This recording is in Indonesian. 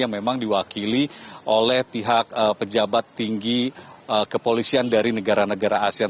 yang memang diwakili oleh pihak pejabat tinggi kepolisian dari negara negara asean